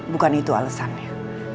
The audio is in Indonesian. bukan itu alesannya